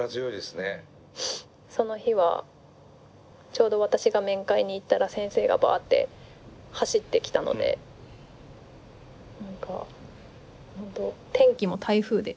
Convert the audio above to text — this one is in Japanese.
その日はちょうど私が面会に行ったら先生がバッて走ってきたので何か天気も台風で。